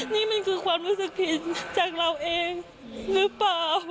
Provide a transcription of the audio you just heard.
นี่มันคือความรู้สึกผิดจากเราเองหรือเปล่า